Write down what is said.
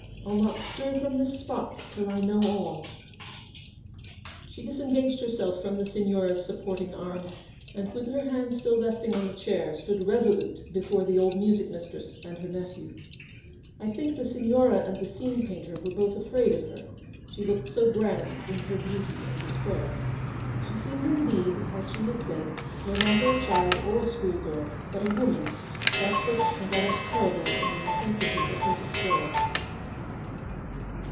I'll not stir from this spot till I know all." She disengaged herself from the Signora's sup porting arm, and with her hand still resting on the chair, stood resolute before the old music mistress and her nephew. I think the Signora and the scene painter were both afraid of her, she looked so grand in her beauty and despair. She seemed indeed, as she had said, no longer a child or a school girl ; but a woman, desperate and almost terrible in the intensity of her despair.